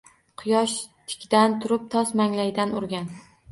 Quyosh tikdan turib tos manglaydan urgan.